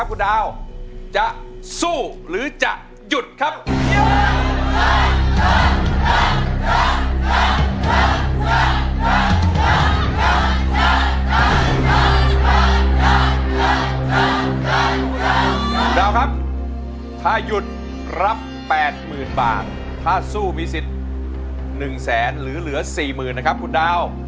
สำหรับเพลงที่๖มูลค่า๑แสนบาทนะครับคุณดาว